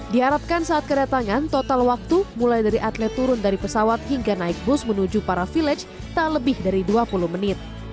diharapkan saat kedatangan total waktu mulai dari atlet turun dari pesawat hingga naik bus menuju para village tak lebih dari dua puluh menit